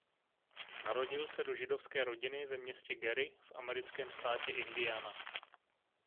Narodil se do židovské rodiny ve městě Gary v americkém státě Indiana.